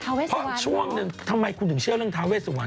ทาเวสวันเหรอพอช่วงนึงทำไมคุณถึงเชื่อเรื่องทาเวสวัน